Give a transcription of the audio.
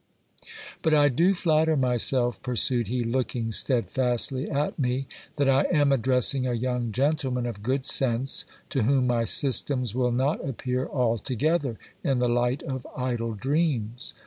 But I do flatter myself, pursued he, looking steadfastly at me, that I am addressing a young gentleman of good sense, to whom my systems will not appear altogether in the light of idle dreams.